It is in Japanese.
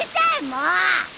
もう。